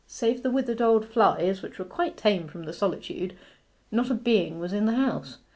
Save the withered old flies, which were quite tame from the solitude, not a being was in the house.